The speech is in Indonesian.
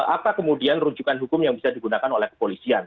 apa kemudian rujukan hukum yang bisa digunakan oleh kepolisian